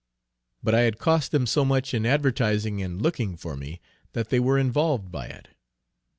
But I had cost them so much in advertising and looking for me, that they were involved by it.